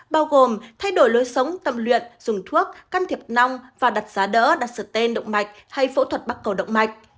bao gồm thay đổi lối sống tập luyện dùng thuốc can thiệp nong và đặt giá đỡ đặt sự tên động mạch hay phẫu thuật bắt cầu động mạch